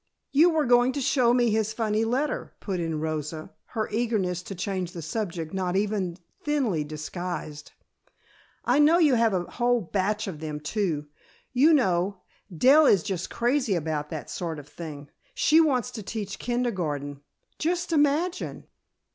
"You were going to show me his funny letter," put in Rosa, her eagerness to change the subject not even thinly disguised. "I know you have a whole batch of them, too. You know, Dell is just crazy about that sort of thing. She wants to teach kindergarten. Just imagine!"